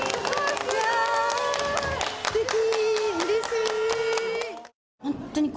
すてき。